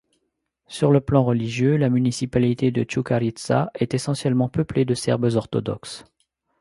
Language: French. Sur le plan religieux, la municipalité de Čukarica est essentiellement peuplée de Serbes orthodoxes.